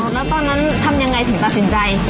แล้วตอนนั้นทำยังไงถึงตัดสินใจ